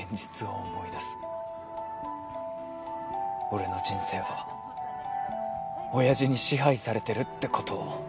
俺の人生は親父に支配されてるってことを。